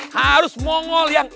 harus mongol yang